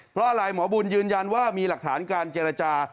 เพราะอะไรหมอบุญยืนยันว่ามีหลักฐานการเจรจา